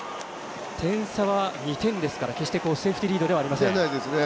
点差は２点ですから決して、セーフティーリードではありません。